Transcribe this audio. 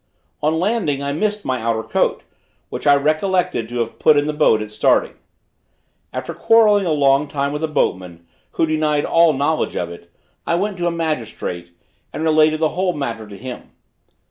On landing I missed my outer coat, which I recollected to have put in the boat at starting. After quarrelling a long time with the boatman, who denied all knowledge of it, I went to a magistrate, and related the whole matter to him.